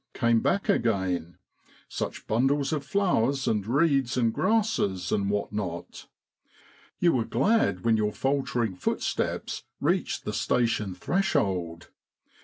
came back again; such bundles of flowers and reeds and grasses, and what not. You were glad when your faltering footsteps reached the station threshold.